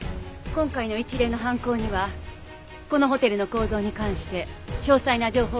今回の一連の犯行にはこのホテルの構造に関して詳細な情報が不可欠でした。